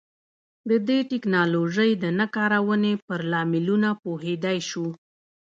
د دې ټکنالوژۍ د نه کارونې پر لاملونو پوهېدای شو.